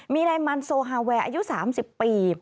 มีนายมันโซฮาแวร์อายุ๓๐ปี